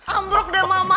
ambrok deh mama